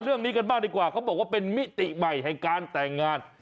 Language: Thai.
เรื่องนี้กันบ้างดีกว่าเขาบอกว่าเป็นมิติใหม่แห่งการแต่งงาน